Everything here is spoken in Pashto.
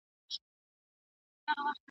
زه پرون مځکي ته وکتل!.